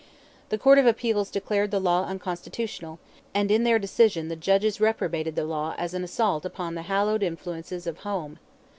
The Court of Appeals declared the law unconstitutional, and in their decision the judges reprobated the law as an assault upon the "hallowed" influences of "home."